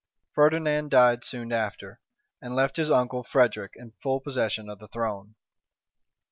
Ferdinand died soon after, and left his uncle Frederick in full possession of the throne.